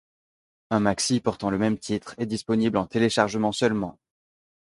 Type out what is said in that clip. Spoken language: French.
Un maxi portant le même titre est disponible en téléchargement seulement.